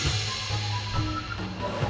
gue mau nanya sesuatu sama lo